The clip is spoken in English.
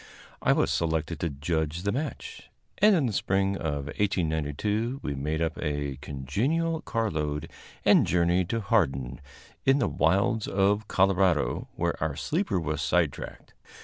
I was selected to judge the match, and in the spring of 1892 we made up a congenial carload and journeyed to Hardin, in the wilds of Colorado, where our sleeper was sidetracked.